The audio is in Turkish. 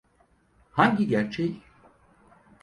Hangi gerçeği?